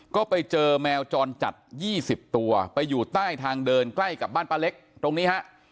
ก็ไปเจอแมวจรจัด๒๐ตัวไปอยู่ใต้ทางเดินใกล้กับบ้านป้าเล็กตรงนี้ฮะ